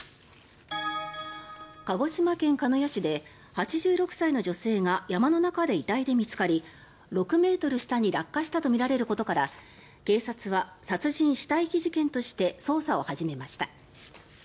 鹿児島県鹿屋市で８６歳の女性が山の中で遺体で見つかり６ｍ下に落下したとみられることから警察は殺人・死体遺棄事件として捜査を始めました。